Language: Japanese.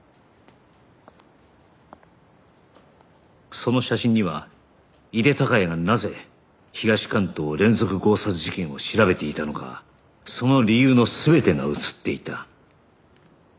その写真には井手孝也がなぜ東関東連続強殺事件を調べていたのかその理由の全てが写っていた